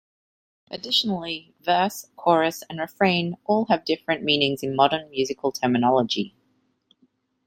Additionally, "verse," "chorus" and "refrain" all have different meanings in modern musical terminology.